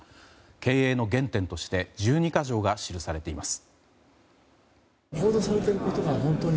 経営の原点として１２か条が記されています。